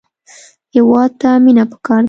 هېواد ته مینه پکار ده